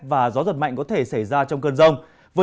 và gió giật mạnh có thể xảy ra trong cơn rông